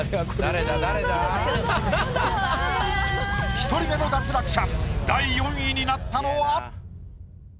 １人目の脱落者第４位になったのは。